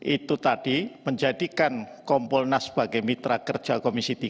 itu tadi menjadikan kompolnas sebagai mitra kerja komisi tiga